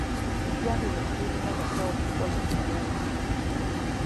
Eddwaliro teririna basawo kukola ku balwadde.